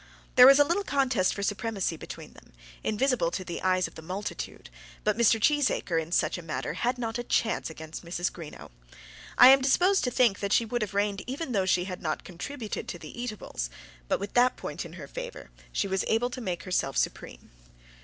There was a little contest for supremacy between them, invisible to the eyes of the multitude; but Mr. Cheesacre in such a matter had not a chance against Mrs. Greenow. I am disposed to think that she would have reigned even though she had not contributed to the eatables; but with that point in her favour, she was able to make herself supreme.